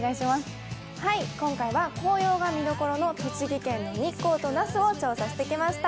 今回は紅葉が見どころの栃木県の日光と那須を直撃してきました。